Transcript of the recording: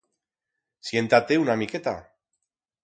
Sienta-te una miqueta.